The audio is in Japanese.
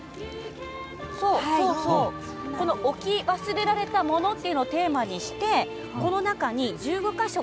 置き忘れられたというのをテーマにしてこの中に１５か所